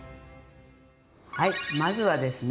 はいまずはですね